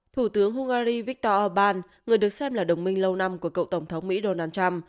thủ tướng hungary viktor orbán người được xem là đồng minh lâu năm của cựu tổng thống mỹ donald trump